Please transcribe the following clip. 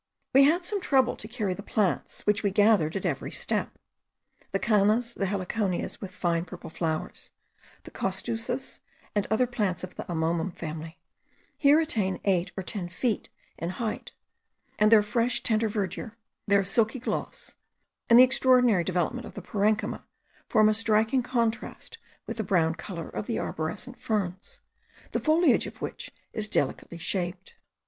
We had some trouble to carry the plants which we gathered at every step. The cannas, the heliconias with fine purple flowers, the costuses, and other plants of the amomum family, here attain eight or ten feet in height, and their fresh tender verdure, their silky gloss, and the extraordinary development of the parenchyma, form a striking contrast with the brown colour of the arborescent ferns, the foliage of which is delicately shaped.